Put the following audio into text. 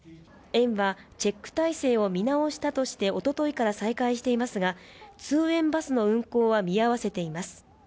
園はチェック体制を見直したとしておとといから再開していますが通園バスの運行は見合わせています